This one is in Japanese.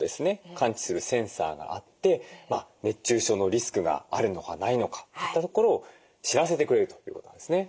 感知するセンサーがあって熱中症のリスクがあるのかないのかといったところを知らせてくれるということなんですね。